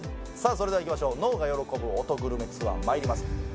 それではいきましょう脳が喜ぶオトグルメツアーまいります